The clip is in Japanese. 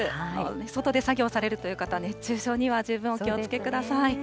外で作業されるという方、熱中症には十分お気をつけください。